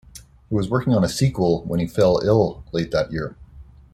He was working on a sequel when he fell ill late that year.